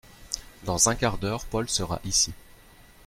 Dans un quart d’heure Paul sera ici…